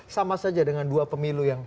sama saja dengan dua pemilu yang